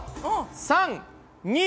３！２！